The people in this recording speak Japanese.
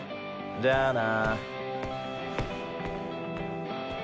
じゃあな。